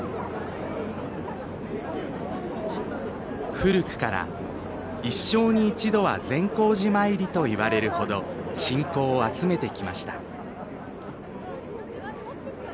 古くから「一生に一度は善光寺参り」といわれるほど信仰を集めてきました。